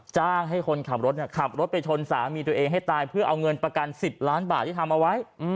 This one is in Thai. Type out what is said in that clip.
จ้างให้คนขับรถขับรถไปชนสามีตัวเองให้ตายเพื่อเอาเงินประกัน๑๐ล้านบาทที่ทำเอาไว้